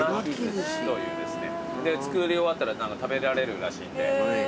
作り終わったら食べられるらしいんで。